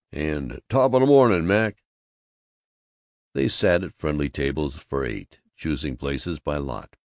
and "Top o' the mornin', Mac!" They sat at friendly tables for eight, choosing places by lot.